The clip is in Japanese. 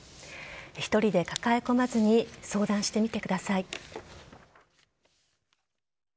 １人で抱え込まずに相談してみてください。